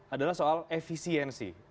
adalah soal efisiensi